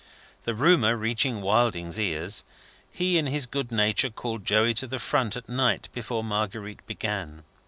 The rumour reaching Wilding's ears, he in his good nature called Joey to the front at night before Marguerite began.